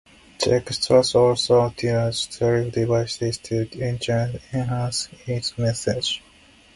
The extract also utilizes stylistic devices to enhance its message.